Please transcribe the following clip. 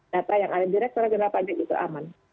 data yang ada di rektorat jenderal pajak itu aman